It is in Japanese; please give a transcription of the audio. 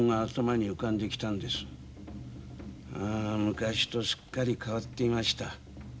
昔とすっかり変わっていました。